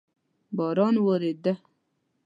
باران ودرېده